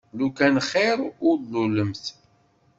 Lukan xir ur d-tlulemt.